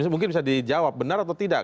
mungkin bisa dijawab benar atau tidak